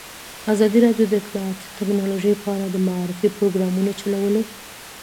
ازادي راډیو د اطلاعاتی تکنالوژي په اړه د معارفې پروګرامونه چلولي.